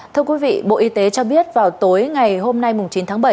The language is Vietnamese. thưa quý vị bộ y tế cho biết vào tối ngày hôm nay chín tháng bảy